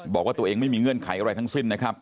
บอกว่าตัวเองไม่มีเงื่อนไขอะไรทั้งสิ้นนะครับ